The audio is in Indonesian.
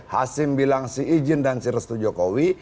hasim bilang si izin dan si restu jokowi